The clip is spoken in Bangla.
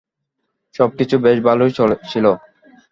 সবকিছু বেশ ভালোই চলছিল।